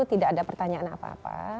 tidak ada pertanyaan apa apa